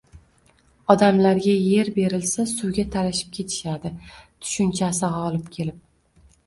— «odamlarga yer berilsa suvga talashib ketishadi», tushunchasi g‘olib kelib